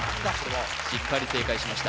しっかり正解しました